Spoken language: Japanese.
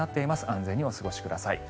安全にお過ごしください。